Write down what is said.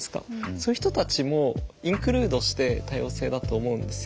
そういう人たちもインクルードして多様性だと思うんですよ。